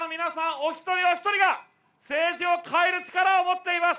お一人お一人が、政治を変える力を持っています。